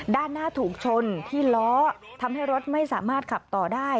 ด้านหน้าถูกชนที่ล้อทำให้รถไม่สามารถขับต่อได้